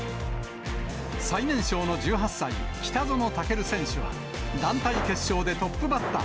最年少の１８歳、北園丈琉選手は団体決勝でトップバッター。